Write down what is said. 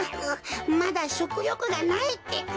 まだしょくよくがないってか。